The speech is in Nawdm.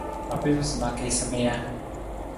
Ma piisu sa ma kiisa mi ja?